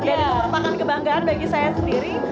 dan itu merupakan kebanggaan bagi saya sendiri